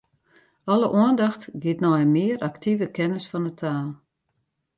Alle oandacht giet nei in mear aktive kennis fan 'e taal.